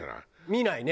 見ないね。